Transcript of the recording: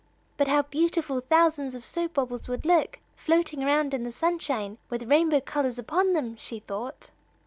"But how beautiful thousands of soap bubbles would look, floating about in the sunshine with rainbow colors upon them," she thought.